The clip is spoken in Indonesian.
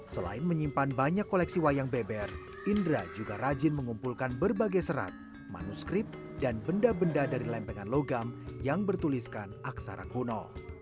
selain menyimpan banyak koleksi wayang beber indra juga rajin mengumpulkan berbagai serat manuskrip dan benda benda dari lempengan logam yang bertuliskan aksara kuno